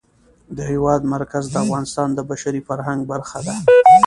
د هېواد مرکز د افغانستان د بشري فرهنګ برخه ده.